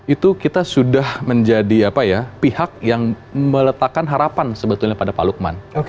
itu kita sudah menjadi pihak yang meletakkan harapan sebetulnya pada pak lukman